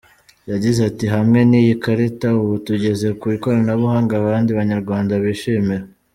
Yagize ati “ Hamwe n’iyi karita, ubu tugeze ku ikoranabuhanga abandi banyarwanda bishimira”.